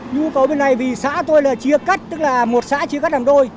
nhu cầu bên này vì xã tôi là chia cắt tức là một xã chia cắt làm đôi